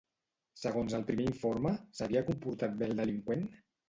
Segons el primer informe, s'havia comportat bé el delinqüent?